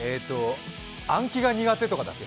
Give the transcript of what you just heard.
暗記が苦手とかだっけ？